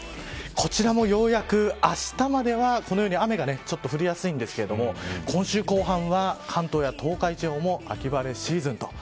こちらもようやくあしたまでは、このように雨が降りやすいんですけど今週後半は関東や東海地方も秋晴れシーズンと。